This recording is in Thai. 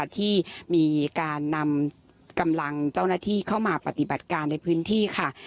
ที่มีการนำกำลังเจ้าหน้าที่เข้ามาปฏิบัติการในพื้นที่ค่ะ